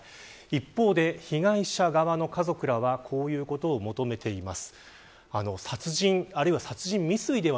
一方で、被害者側の家族らはこういうことを求めています。